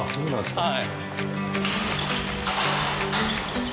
はい。